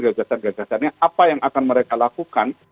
gagasan gagasannya apa yang akan mereka lakukan